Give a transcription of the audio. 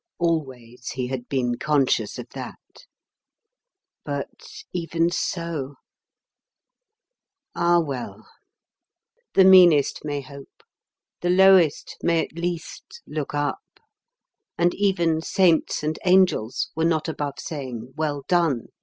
Always he had been conscious of that; but even so ... Ah, well, the meanest may hope, the lowest may at least look up; and even saints and angels were not above saying, "Well done!"